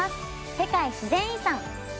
世界自然遺産」。